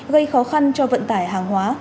gây khó khăn cho vận tải hàng hóa